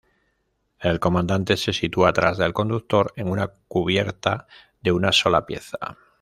El comandante se sitúa atrás del conductor en una cubierta de una sola pieza.